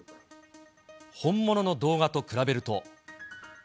本物の動画と比べると。